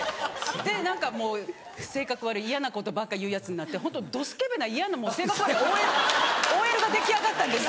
で何か性格悪い嫌なことばっか言うヤツになってホントどスケベな嫌な性格悪いＯＬが出来上がったんです。